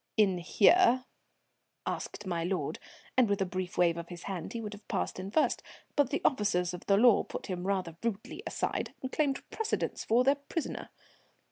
"In here?" asked my lord; and with a brief wave of his hand he would have passed in first, but the officers of the law put him rather rudely aside and claimed precedence for their prisoner.